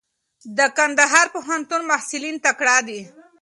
د کندهار پوهنتون محصلین تکړه دي.